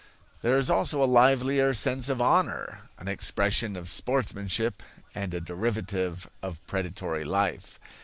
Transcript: There is also a livelier sense of honor an expression of sportsmanship and a derivative of predatory life.